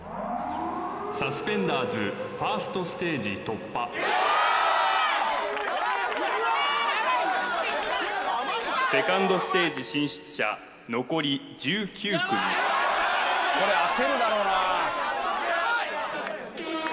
サスペンダーズファーストステージ突破セカンドステージ進出者残り１９組これ焦るだろうな